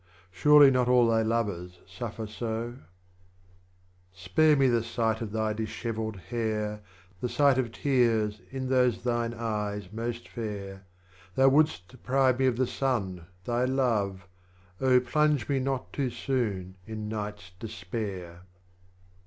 Surely not all thy Lovers suffer so ? 27. Spare me the sight of thy Dishevelled Hair, The sight of Tears in those thine Eyes most fair, Thou would'st deprive me of the Sun, thy Love, Oh, plunge me not too soon in Night's Despair.